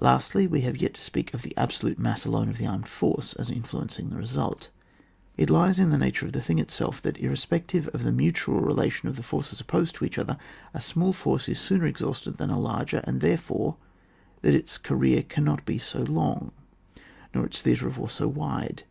Lastly, we have yet to speak of the absolute mass alone of the armed force, as influencing the result. It lies in the nature of the thing itself that, irrespective of the mutual relation of the forces opposed to each other, a small force is sooner exhausted than a larger, and, therefore, that its career cannot be so long, nor its theatre of war so wide.